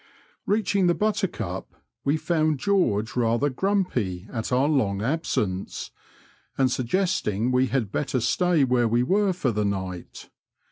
Eeaching the Buttercup, we found George rather grumpy at our long absence, and suggesting we had better stay where we were for the night.